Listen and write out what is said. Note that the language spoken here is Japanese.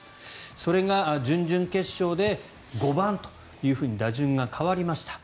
それが準々決勝で５番というふうに打順が変わりました。